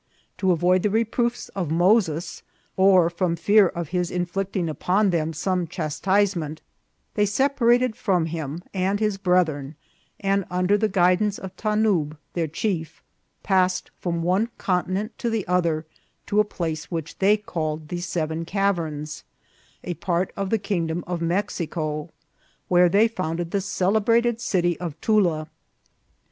To avoid the re proofs of Moses, or from fear of his inflicting upon them some chastisement, they separated from him and his brethren, and under the guidance of Tanub, their chief, passed from one continent to the other, to a place which they called the seven caverns, a part of the kingdom of Mexico, where they founded the celebrated city of Tula.